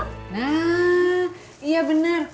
nah iya bener